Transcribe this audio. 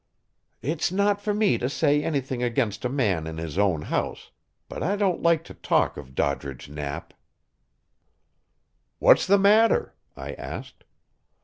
"It's not for me to say anything against a man in his own house, but I don't like to talk of Doddridge Knapp." "What's the matter?" I asked.